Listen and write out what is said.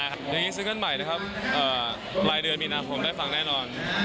อย่างนี้ซื้อกันใหม่นะครับรายเดือนมีนาคมได้ฟังแน่นอน